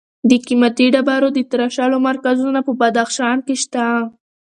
د قیمتي ډبرو د تراشلو مرکزونه په بدخشان کې شته.